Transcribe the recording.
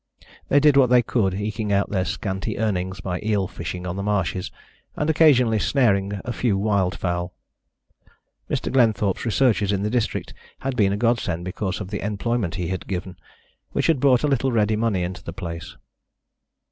They did what they could, eking out their scanty earnings by eel fishing on the marshes, and occasionally snaring a few wild fowl. Mr. Glenthorpe's researches in the district had been a godsend because of the employment he had given, which had brought a little ready money into the place.